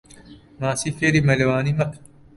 ماسی فێری مەلەوانی مەکە.